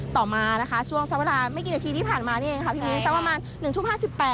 ต่อมาช่วงเวลาไม่กี่นาทีที่ผ่านมานี่เองพรีวีสักประมาณ๑ทุ่ม๕๘